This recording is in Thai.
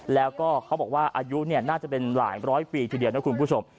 แล้วก็เขาบอกว่าอายุน่าจะเป็นหลายร้อยปีทีเดียวนะคุณผู้ชม